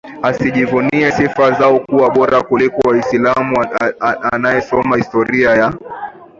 wasijivunie sifa zao kuwa bora kuliko za Waislamu Anayesoma Historia ya